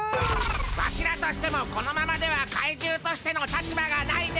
ワシらとしてもこのままでは怪獣としての立場がないで。